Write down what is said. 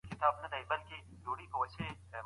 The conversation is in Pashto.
حضرت محمد صلی الله عليه وآله وسلم د الله تعالی رسول دی